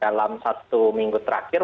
dalam satu minggu terakhir